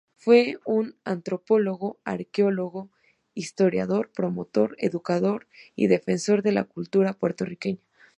Fue un antropólogo, arqueólogo, historiador, promotor, educador y defensor de la cultura puertorriqueña.